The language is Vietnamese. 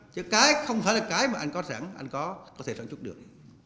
chứ cái không phải là cái mà anh có sẵn anh có có thể sản xuất được